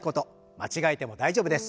間違えても大丈夫です。